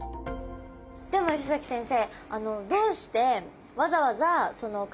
でも吉崎先生